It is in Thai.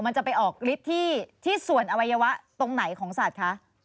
จะไปออกฤทธิ์ที่ส่วนอวัยวะตรงไหนของสัตว์คะ